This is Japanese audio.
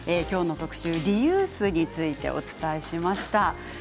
きょうの特集リユースについてお伝えしました。